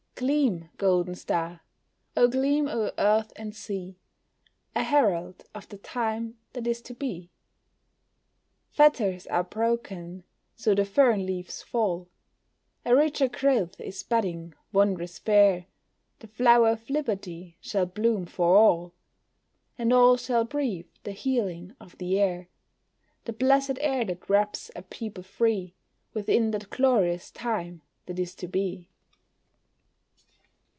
Gleam, golden star, oh gleam o'er earth and sea, A herald of the Time that is to be. Fetters are broken, so the fern leaves fall, A richer growth is budding, wondrous fair, The flower of liberty shall bloom for all, And all shall breathe the healing of the air; The blessed air that wraps a people free, Within that glorious Time that is to be.